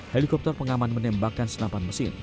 helikopter pengaman menembakkan senapan mesin